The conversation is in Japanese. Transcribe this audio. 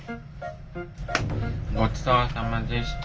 ごちそうさまでした。